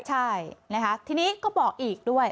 ใช่นะคะทีนี้ก็บอกอีกด้วย